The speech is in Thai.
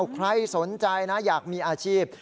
ใครสนใจนะอยากมีอาชีพ